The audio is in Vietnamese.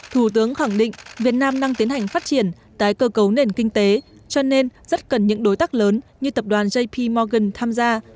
thủ tướng khẳng định việt nam đang tiến hành phát triển tái cơ cấu nền kinh tế cho nên rất cần những đối tác lớn như tập đoàn jp morgan tham gia